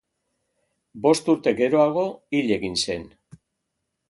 Bost urte geroago hil egin zen.